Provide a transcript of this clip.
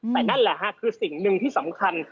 แต่นั่นแหละฮะคือสิ่งหนึ่งที่สำคัญ